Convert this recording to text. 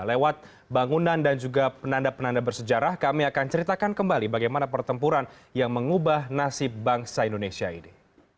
lewat bangunan dan juga penanda penanda bersejarah kami akan ceritakan kembali bagaimana pertempuran yang mengubah nasib bangsa indonesia ini